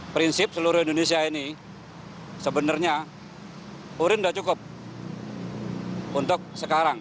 prinsip seluruh indonesia ini sebenarnya urin sudah cukup untuk sekarang